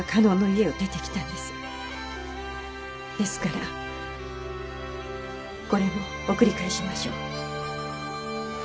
ですからこれも送り返しましょう。